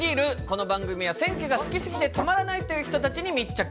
この番組は選挙が好きすぎてたまらないという人たちに密着。